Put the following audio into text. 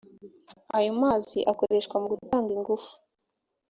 ayo mazi akoreshwa mu gutanga ingufu